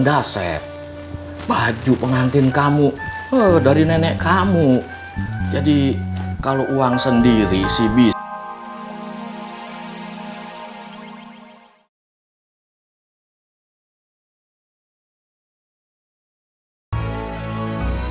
daset baju pengantin kamu dari nenek kamu jadi kalau uang sendiri sih bisa